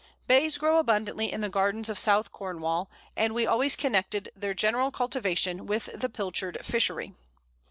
Bays grow abundantly in the gardens of South Cornwall, and we always connected their general cultivation with the pilchard fishery.